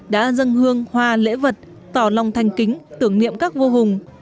đã dâng hương hoa lễ vật tỏ lòng thanh kính tưởng niệm các vô hùng